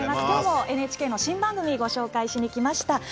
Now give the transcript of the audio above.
きょうもＮＨＫの新番組をご紹介しに来ました。